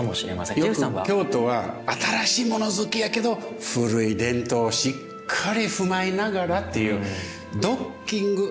よく京都は新しいもの好きやけど古い伝統をしっかり踏まえながらっていうドッキング。